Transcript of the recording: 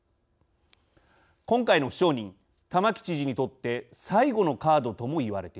今回の不承認玉城知事にとって最後のカードともいわれています。